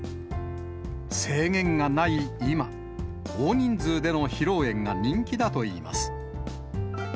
制限がない今、大人数での披露宴が人気だといいます。